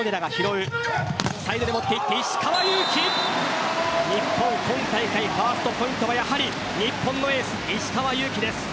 サイドに持っていって石川祐希。日本、今大会ファーストポイントはやはり日本のエース石川祐希です。